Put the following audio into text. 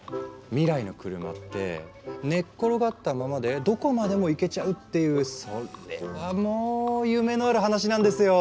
未来の車って寝っ転がったままでどこまでも行けちゃうっていうそれはもう夢のある話なんですよ。